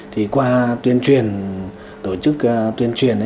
thì qua tuyên truyền tổ chức tuyên truyền